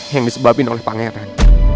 yang disebabin oleh pangeran